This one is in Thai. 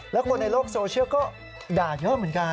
แล้วคนในโลกโซเชียลก็ด่าเยอะเหมือนกัน